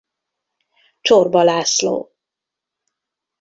Csorba László.